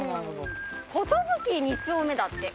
寿二丁目だって。